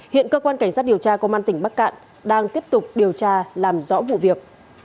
hiện cơ quan cảnh sát điều tra công an tỉnh bắc cạn đang tiếp tục điều tra làm rõ vụ việc